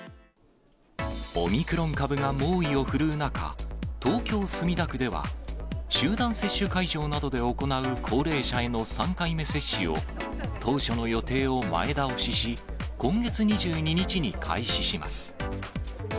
オミクロン株が猛威を振るう中、東京・墨田区では、集団接種会場などで行う高齢者への３回目接種を、当初の予定を前倒しし、今月２２日に開始します。